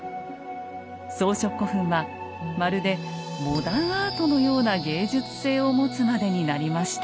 装飾古墳はまるでモダンアートのような芸術性を持つまでになりました。